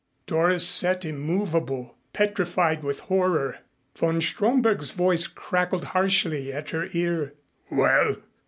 Doris sat immovable, petrified with horror. Von Stromberg's voice crackled harshly at her ear. "Well?